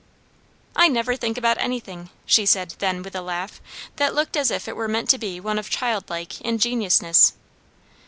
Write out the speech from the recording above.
"I never think about anything!" she said then with a laugh, that looked as if it were meant to be one of childlike, ingenuousness.